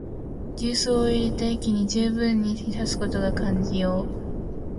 重曹を入れた液にじゅうぶんに浸すことが肝要。